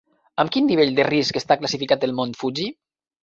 Amb quin nivell de risc està classificat el mont Fuji?